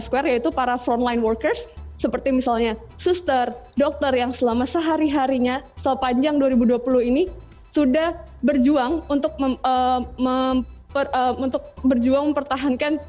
saya berpikir ini adalah satu dari beberapa hal yang harus kita lakukan